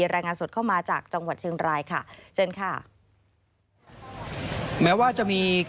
รายงานสดเข้ามาจากจังหวัดเชียงรายค่ะเชิญค่ะแม้ว่าจะมี